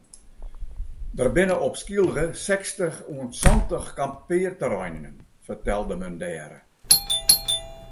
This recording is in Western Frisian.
Der binne op Skylge sechstich oant santich kampearterreinen fertelde men dêre.